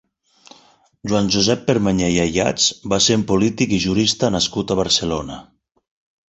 Joan Josep Permanyer i Ayats va ser un polític i jurista nascut a Barcelona.